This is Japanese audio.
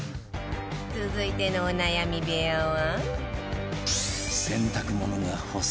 続いてのお悩み部屋は